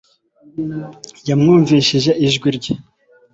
yamwumvishije ijwi rye